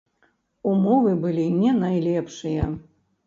Умовы былі не найлепшыя.